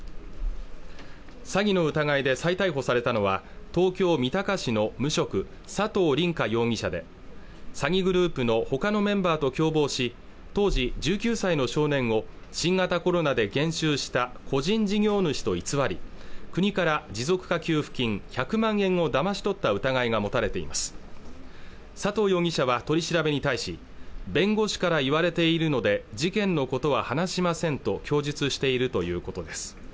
詐欺の疑いで再逮捕されたのは東京・三鷹市の無職佐藤凛果容疑者で詐欺グループのほかのメンバーと共謀し当時１９歳の少年を新型コロナで減収した個人事業主と偽り国から持続化給付金１００万円をだまし取った疑いが持たれています佐藤容疑者は取り調べに対し弁護士から言われているので事件のことは話しませんと供述しているということです